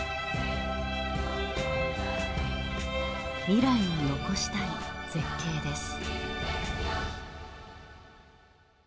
未来に残したい絶景です。